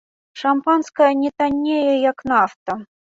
Шампанскае не таннее, як нафта.